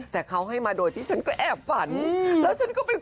แต่เขาให้มาโดยที่ฉันก็แอบฝัน